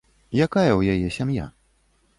Якая ў яе сям'я?